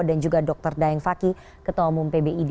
dan juga dr dayeng fakih ketua umum pbid